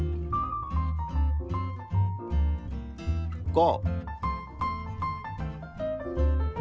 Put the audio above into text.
５。